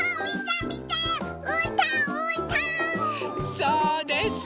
そうです。